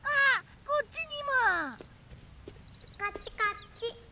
こっちこっち。